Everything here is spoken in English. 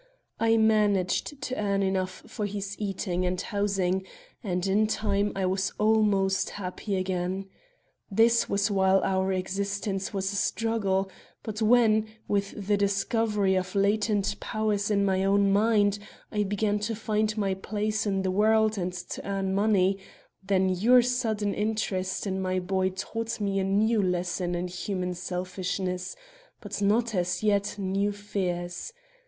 I managed to earn enough for his eating and housing, and in time I was almost happy again. This was while our existence was a struggle; but when, with the discovery of latent powers in my own mind, I began to find my place in the world and to earn money, then your sudden interest in my boy taught me a new lesson in human selfishness; but not, as yet, new fears.